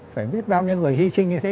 phải biết bao nhiêu người hy sinh như thế